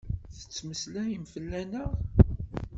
Ttettmeslayem fell-aneɣ?